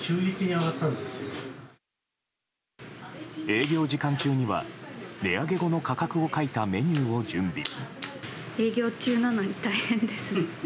営業時間中には値上げ後の価格を書いたメニューを準備。